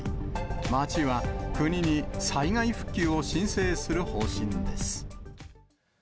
町は国に災害復旧を申請する方針です。